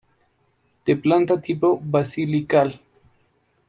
De planta tipo basilical.